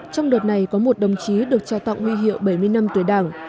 trong đợt này có một đồng chí được trao tặng huy hiệu bảy mươi năm tuổi đảng